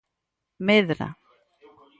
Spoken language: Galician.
Medra.